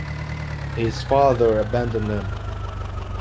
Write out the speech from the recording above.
His father abandoned them.